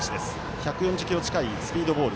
１４０キロ近いスピードボール。